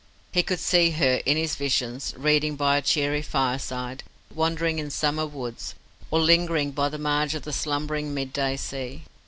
He could see her in his visions reading by a cheery fireside, wandering in summer woods, or lingering by the marge of the slumbering mid day sea.